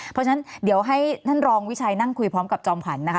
เพราะฉะนั้นเดี๋ยวให้ท่านรองวิชัยนั่งคุยพร้อมกับจอมขวัญนะคะ